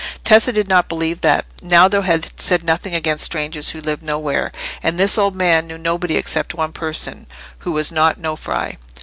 Tessa did not believe that. Naldo had said nothing against strangers who lived nowhere; and this old man knew nobody except one person, who was not Nofri.